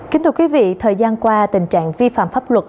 kính thưa quý vị thời gian qua tình trạng vi phạm pháp luật